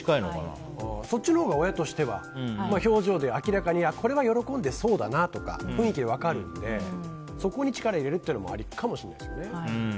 そっちのほうが親としては表情で明らかにこれは喜んでそうだなって雰囲気で分かるのでそこに力入れるっていうのもありかもしれないですね。